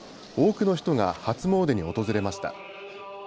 多くの人が初詣に訪れました。